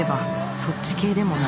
そっち系でもない